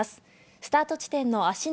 スタート地点の芦ノ